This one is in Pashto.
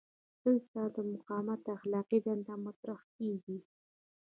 دلته د مقاومت اخلاقي دنده مطرح کیږي.